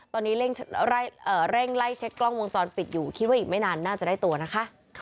ตอนนี้เร่งไล่เช็คกล้องวงจรปิดอยู่คิดว่าอีกไม่นานน่าจะได้ตัวนะคะ